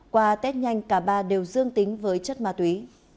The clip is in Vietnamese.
qua tết nhanh cả ba đều dương tính với chất ma túy